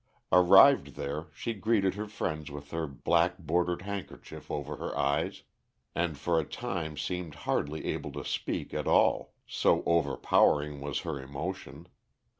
Arrived there, she greeted her friends with her black bordered handkerchief over her eyes, and for a time seemed hardly able to speak at all, so overpowering was her emotion.